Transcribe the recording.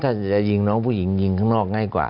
ถ้าจะยิงน้องผู้หญิงยิงข้างนอกง่ายกว่า